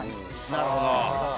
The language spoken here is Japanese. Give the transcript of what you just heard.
なるほど。